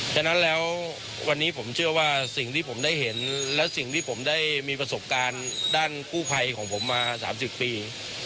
ฉะนั้นแล้ววันนี้ผมเชื่อว่าสิ่งที่ผมได้เห็นและสิ่งที่ผมได้มีประสบการณ์ด้านกู้ภัยของผมมา๓๐ปี